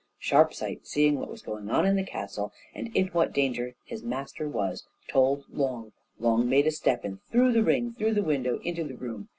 Sharpsight, seeing what was going on in the castle, and in what danger his master was, told Long. Long made a step, and threw the ring through the window into the room.